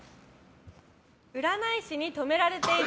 占い師に止められている。